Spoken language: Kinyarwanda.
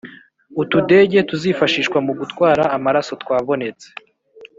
utudege tuzifashishwa mu gutwara amaraso twabonetse